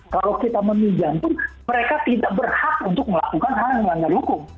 kalau kita meminjam pun mereka tidak berhak untuk melakukan hal yang melanggar hukum